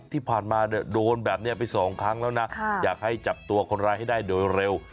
ที่ผ่านมาโดนแบบนี้ไปสองครั้งแล้วนะอยากให้จับตัวคนร้ายให้ได้โดยเร็ว